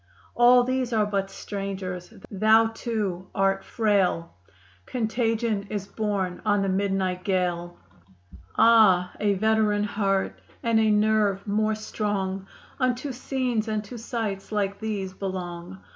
All these are but strangers. Thou, too, art frail; Contagion is borne on the midnight gale. Ah! a veteran heart, and a nerve more strong, Unto scenes and to sights like these belong.